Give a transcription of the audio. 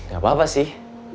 gak apa apa sih